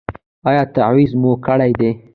ایا تعویذ مو کړی دی؟